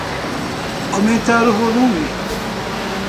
Aumentar volume.